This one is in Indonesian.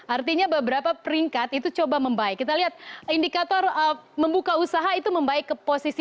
artinya beberapa peringkat itu coba membaik kita lihat indikator membuka usaha itu membaik ke posisi